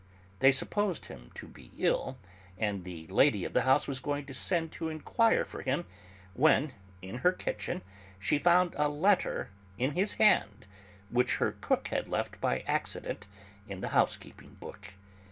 They supposed him to be ill, and the lady of the house was going to send to inquire for him when, in her kitchen, she found a letter in his hand, which her cook had left by accident in the housekeeping book.